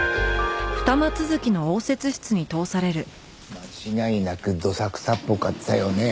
間違いなくどさくさっぽかったよね。